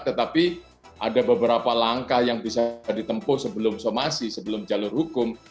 tetapi ada beberapa langkah yang bisa ditempuh sebelum somasi sebelum jalur hukum